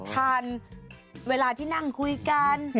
ทานเวลาที่นั่งคุยกัน